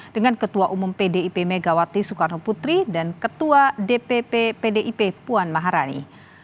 dengan ketua umum pdip megawati soekarno putri dan ketua dpp pdip puan maharani